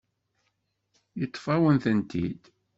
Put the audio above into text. Yeṭṭef-awen-tent-id.